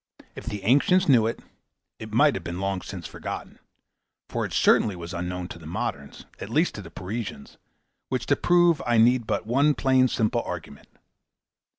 If the ancients knew it, it might have been long since forgotten; for it certainly was unknown to the moderns, at least to the Parisians, which to prove, I need use but one plain simple argument.